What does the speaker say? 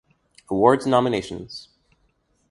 Awards and nominations